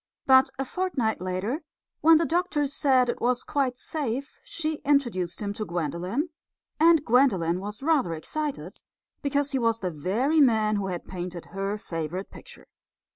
But a fortnight later, when the doctor said that it was quite safe, she introduced him to Gwendolen; and Gwendolen was rather excited, because he was the very man who had painted her favourite picture.